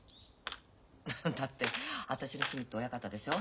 だって私の趣味って親方でしょ。